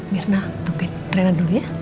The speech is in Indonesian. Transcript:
mirna tungguin rina dulu ya